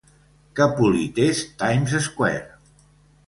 Que polit és Times Square